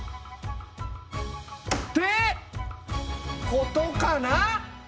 ってことかな？